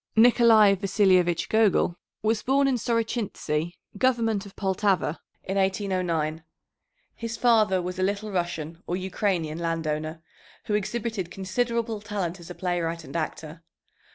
Nicolay Vasilyevich Gogol was born in Sorochintzy, government of Poltava, in 1809. His father was a Little Russian, or Ukrainian, landowner, who exhibited considerable talent as a playwright and actor.